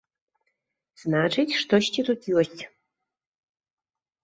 Значыць, штосьці тут ёсць.